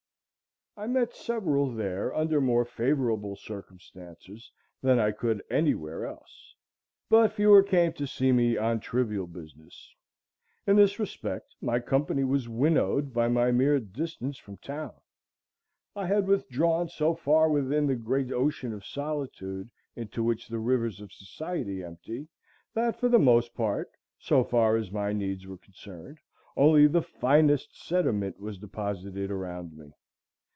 I met several there under more favorable circumstances than I could any where else. But fewer came to see me on trivial business. In this respect, my company was winnowed by my mere distance from town. I had withdrawn so far within the great ocean of solitude, into which the rivers of society empty, that for the most part, so far as my needs were concerned, only the finest sediment was deposited around me.